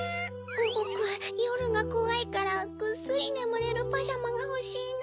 ボクはよるがこわいからぐっすりねむれるパジャマがほしいな。